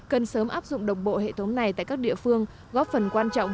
cần sớm áp dụng đồng bộ hệ thống này tại các địa phương góp phần quan trọng